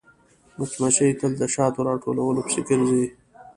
مچمچۍ تل د شاتو راټولولو پسې ګرځي